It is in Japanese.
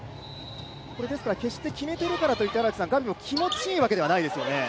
決して決めてるからといってガビも気持ちいいわけじゃないですよね。